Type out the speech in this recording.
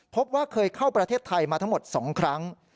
พบว่าเคยเข้าประเทศไทยมาทั้งหมด๒ครั้ง